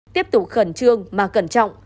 tiếp tục khẩn trương mà cẩn trọng